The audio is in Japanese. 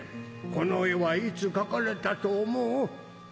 この絵はいつ描かれたと思う？